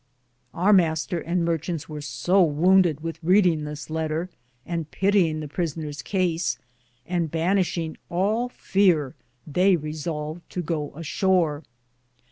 Our Mr. and marchantes weare so wounded with Reding this letter, and pittinge the presoneres case, and banishinge all feare, they Resolvede to go ashore.